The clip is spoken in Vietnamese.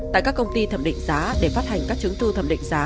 tại các công ty thẩm định giá để phát hành các chứng thư thẩm định giá